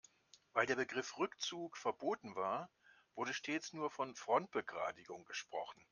Weil der Begriff Rückzug verboten war, wurde stets nur von Frontbegradigung gesprochen.